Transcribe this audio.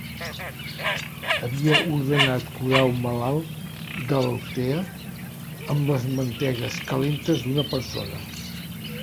Havia ordenat curar un malalt d’Altea amb les mantegues calentes d’una persona.